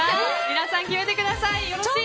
皆さん、決めてください。